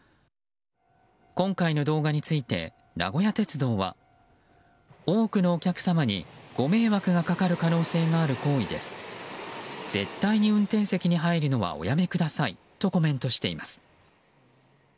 今回の動画について名古屋鉄道は多くのお客様にご迷惑がかかる可能性がある行為です絶対に運転席に入るのはおやめくださいとコメントしています。